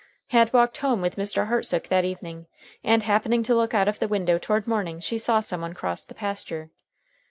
Had walked home with Mr. Hartsook that evening, and, happening to look out of the window toward morning, she saw some one cross the pasture.